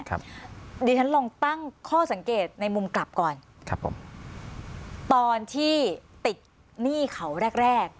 เดี๋ยวฉันลองตั้งข้อสังเกตในมุมกลับก่อนครับผมตอนที่ติดหนี้เขาแรกแรก